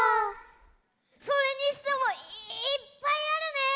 それにしてもいっぱいあるね。